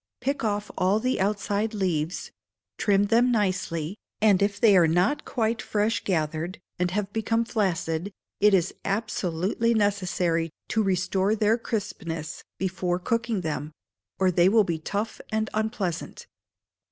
Pick off all the outside leaves, trim them nicely, and if they are not quite fresh gathered and have become flaccid, it is absolutely necessary to restore their crispness before cooking them, or they will be tough and unpleasant.